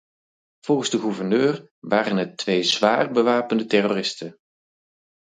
Volgens de gouverneur waren het twee zwaarbewapende terroristen.